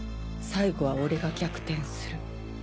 最後は俺が逆転する。